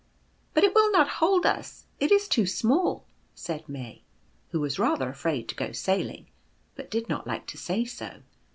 "But it will not hold us; it is too small," said May, who was rather afraid to go sailing, but did not like to say so.